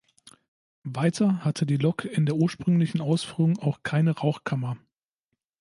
Weiter hatte die Lok in der ursprünglichen Ausführung auch keine Rauchkammer.